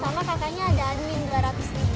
sama kakaknya ada admin rp dua ratus